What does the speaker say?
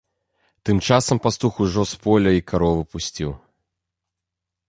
Тым часам пастух ужо з поля й каровы пусціў.